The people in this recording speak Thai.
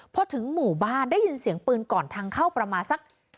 พอถึงหมู่บ้านได้ยินเสียงปืนก่อนทางเข้าประมาณสัก